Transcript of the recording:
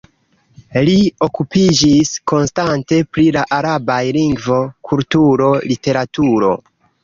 Li okupiĝis konstante pri la arabaj lingvo, kulturo, literaturo.